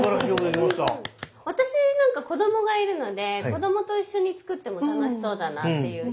私なんか子供がいるので子供と一緒に作っても楽しそうだなっていう。